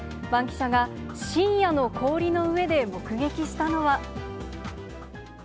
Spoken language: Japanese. バンキシャが深夜の氷の上で目撃したのは。